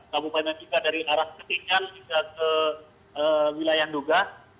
kabupaten juga dari arah ketinggian juga ke wilayah nduga